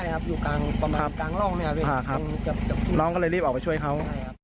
ใช่ครับอยู่กลางประมาณกลางล่องนี่ครับล่องก็เลยรีบออกไปช่วยเขา